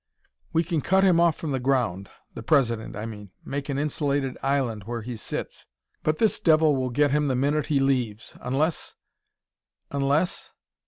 "We can cut him off from the ground the President, I mean make an insulated island where he sits. But this devil will get him the instant he leaves ... unless ... unless...."